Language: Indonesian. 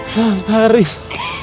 sah lari sah